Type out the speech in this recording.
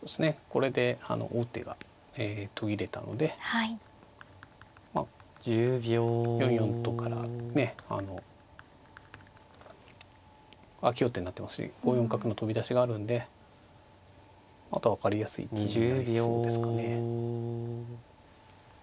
これで王手が途切れたので４四とからねあの開き王手になってますし５四角の飛び出しがあるんであとは分かりやすい詰みになりそうですかね。